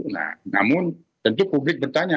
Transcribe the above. nah namun tentu publik bertanya